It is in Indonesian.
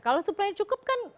kalau supply cukup kan